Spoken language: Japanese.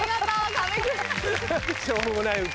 しょうもない歌。